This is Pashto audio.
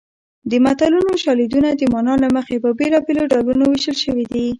د متلونو شالیدونه د مانا له مخې په بېلابېلو ډولونو ویشل شوي دي